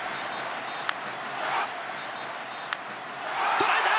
捉えた！